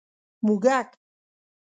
🐁 موږک